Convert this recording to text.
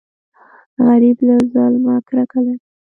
غریب له ظلمه کرکه لري